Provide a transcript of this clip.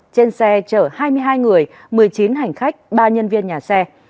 trên xe chở hai mươi hai người một mươi chín hành khách ba nhân viên nhà xe